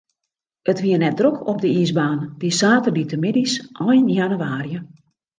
It wie net drok op de iisbaan, dy saterdeitemiddeis ein jannewaarje.